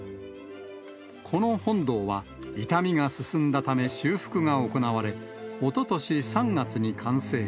この本堂は、傷みが進んだため、修復が行われ、おととし３月に完成。